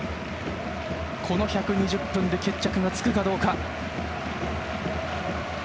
この１２０分で決着がつくかどうか。